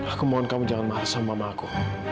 aku mohon kamu jangan marah sama mama aku